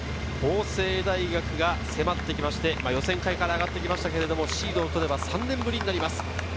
法政大学が迫ってきまして、予選会から上がってきましたけど、シードを取れば３年ぶりになります。